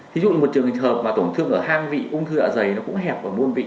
ví dụ một trường hợp mà tổn thương ở hang vị ung thư dạ dày nó cũng hẹp ở muôn vị